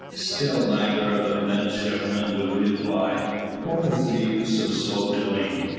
Still neither of the midshipmen would reply. What was the use of so doing?